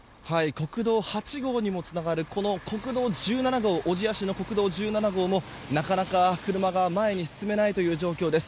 国道８号にもつながるこの小千谷市の国道１７号もなかなか車が前に進めないという状況です。